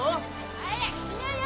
早くしなよ！